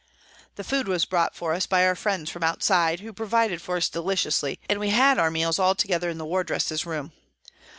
The food was brought for us by our friends from outside, who provided for us deliciously, and we had our meals all together in the wardresses' room.